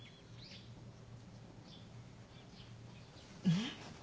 うん？